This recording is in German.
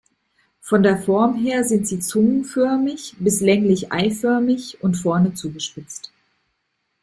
Von der Form her sind sie zungenförmig bis länglich eiförmig und vorne zugespitzt.